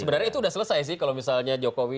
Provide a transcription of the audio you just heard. sebenarnya itu sudah selesai sih kalau misalnya jokowi